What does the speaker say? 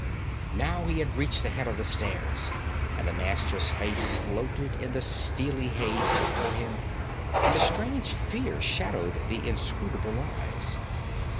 Now he had reached the head of the stairs, and the Master's face floated in the steely haze before him, and a strange fear shadowed the inscrutable eyes.